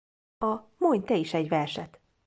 A Mondj Te is egy verset!